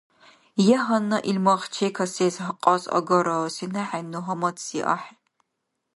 Я гьанна ил мах чекасес кьас агара, сенахӀенну гьамадси ахӀен.